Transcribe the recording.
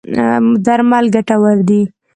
درمل ګټور دی.